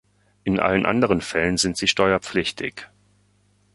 In allen anderen Fällen sind sie steuerpflichtig.